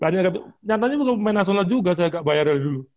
ternyata nyatanya bukan pemain nasional juga saya nggak bayar dari dulu